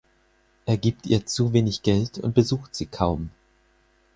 Er gibt ihr zu wenig Geld und besucht sie kaum.